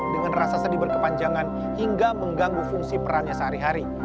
dengan rasa sedih berkepanjangan hingga mengganggu fungsi perannya sehari hari